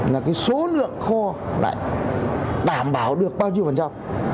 là cái số lượng kho lại đảm bảo được bao nhiêu phần trăm